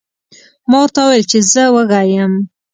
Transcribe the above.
ما ورته وویل چې زه وږی یم.